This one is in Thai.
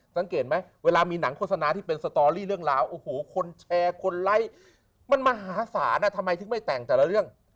สังเกตไหมเวลามีหนังโฆษณาที่เป็นสตอรี่เรื่องราวโอ้โหคนแชร์คนไลค์มันมหาศาลทำไมถึงไม่แต่งแต่ละเรื่อง